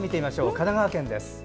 神奈川県です。